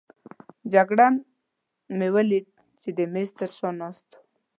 جګړن مې ولید چې د مېز تر شا ناست وو.